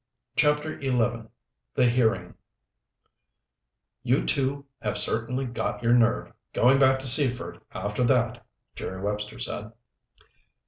CHAPTER XI The Hearing "You two have certainly got your nerve, going back to Seaford after that," Jerry Webster said.